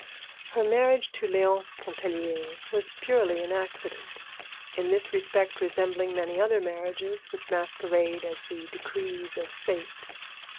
Her marriage to Léonce Pontellier was purely an accident, in this respect resembling many other marriages which masquerade as the decrees of Fate.